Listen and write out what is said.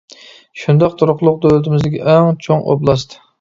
شۇنداق تۇرۇقلۇق دۆلىتىمىزدىكى ئەڭ چوڭ ئوبلاست.